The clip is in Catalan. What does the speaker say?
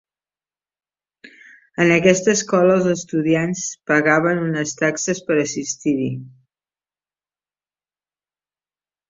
En aquesta escola, els estudiants pagaven unes taxes per assistir-hi.